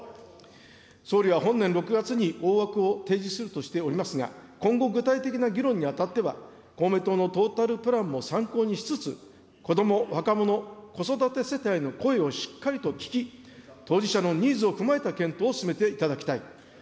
総理は本年６月に大枠を提示するとしておりますが、今後、具体的な議論にあたっては、公明党のトータルプランも参考にしつつ、こども、若者、子育て世帯の声をしっかりと聞き、当事者のニーズを踏まえた検討を進めていただきたい。